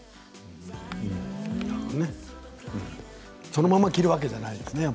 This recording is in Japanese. そのまま着るわけじゃないんですね。